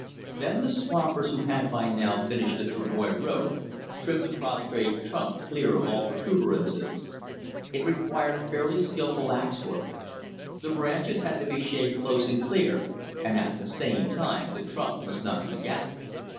Then the swampers, who had by now finished the travoy road, trimmed the prostrate trunk clear of all protuberances. It required fairly skillful ax work. The branches had to be shaved close and clear, and at the same time the trunk must not be gashed.